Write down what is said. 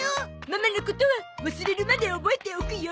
ママのことは忘れるまで覚えておくよ。